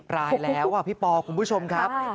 ๒๐รายแล้วอ่ะพี่ปอร์คุณผู้ชมครับ